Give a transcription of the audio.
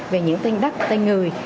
về những tên đất tên người